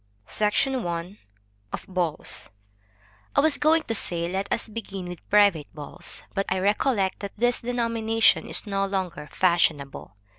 SECTION I. Of Balls. I was going to say, let us begin with private balls; but I recollect that this denomination is no longer fashionable.